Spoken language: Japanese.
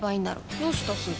どうしたすず？